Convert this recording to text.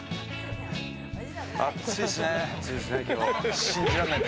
暑いですね。